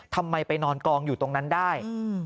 ทำไมไปนอนกองอยู่ตรงนั้นได้